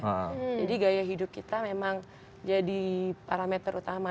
jadi gaya hidup kita memang jadi parameter utama